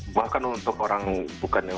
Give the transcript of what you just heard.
bahkan untuk orang bukan yang